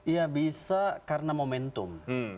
ya bisa karena momentum